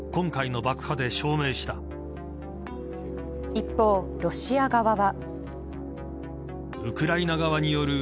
一方ロシア側は。